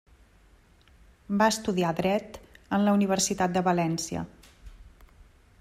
Va estudiar Dret en la Universitat de València.